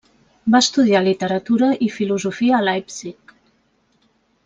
Va estudiar literatura i filosofia a Leipzig.